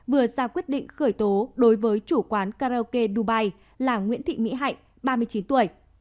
vừa ra quyết định khởi tố đối với chủ quán karaoke dubai là nguyễn thị mỹ hạnh ba mươi chín tuổi